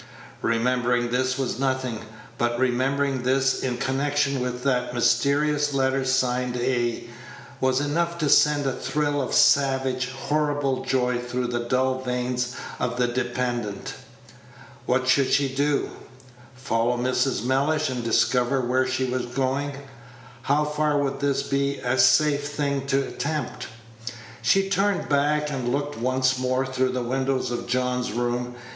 Remembering this was nothing, but remembering this in connection with that mysterious letter signed "A" was enough to send a thrill of savage, horrible joy through the dull veins of the dependent. What should she do? Follow Mrs. Mellish, and discover where she was going? How far would this be a safe thing to attempt? She turned back and looked once more through the windows of John's room.